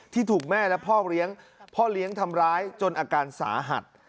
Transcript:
ที่ถูกแม่และพ่อเลี้ยงทำร้ายจนอาการสาหัส